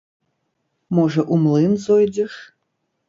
Можа, у млын зойдзеш?